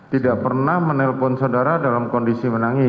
tidak pernah menelpon saudara dalam kondisi menangis